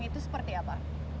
itu seperti apa